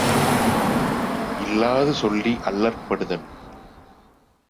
இல்லாது சொல்லி அல்லற்படுதல்.